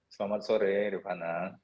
selamat sore rufana